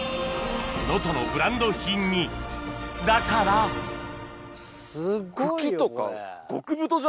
能登のブランド品にだからすごいよこれ。